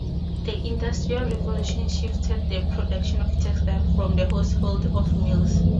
The Industrial Revolution shifted the production of textiles from the household to the mills.